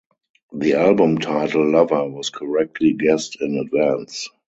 The album title "Lover" was correctly guessed in advance.